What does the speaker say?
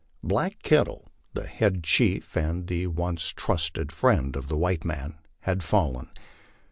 Black Kettle, the head chief and the once trusted friend of the white man, had fallen.